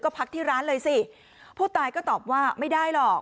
พักที่ร้านเลยสิผู้ตายก็ตอบว่าไม่ได้หรอก